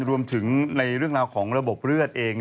รวมถึงในเรื่องราวของระบบเลือดเอง